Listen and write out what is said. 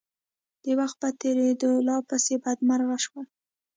د وخت په تېرېدو لا پسې بدمرغه شول.